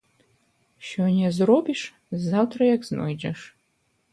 Сёння зробіш – заўтра як знойдзеш